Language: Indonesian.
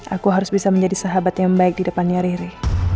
aku harus bisa menjadi sahabat yang baik di depannya riri